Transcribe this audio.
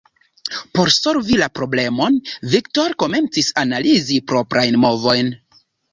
Por solvi la problemon Viktor komencis analizi proprajn movojn.